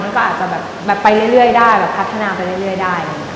มันก็อาจจะแบบไปเรื่อยได้แบบพัฒนาไปเรื่อยได้